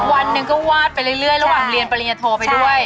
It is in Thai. วันหนึ่งก็วาดไปเรื่อยระหว่างเรียนปริญญาโทไปด้วย